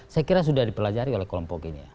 saya kira sudah dipelajari oleh kelompok ini ya